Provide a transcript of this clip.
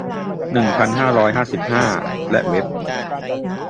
หนึ่งพันห้าร้อยห้าสิบห้า และเว็บ